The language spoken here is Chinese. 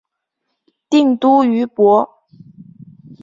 定都于亳。